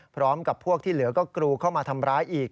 พร้อมกับพวกที่เหลือก็กรูเข้ามาทำร้ายอีก